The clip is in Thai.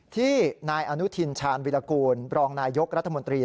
ที่นายอนุทินชาญวิรากูลรองนายยกรัฐมนตรี